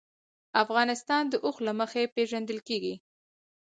افغانستان د اوښ له مخې پېژندل کېږي.